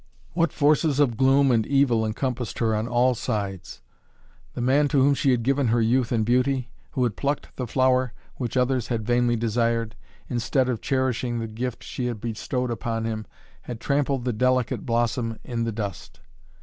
What forces of gloom and evil encompassed her on all sides? The man to whom she had given her youth and beauty, who had plucked the flower which others had vainly desired, instead of cherishing the gift she had bestowed upon him, had trampled the delicate blossom in the dust.